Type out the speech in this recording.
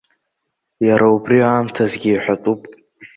Иара убри аамҭазгьы иҳәатәуп.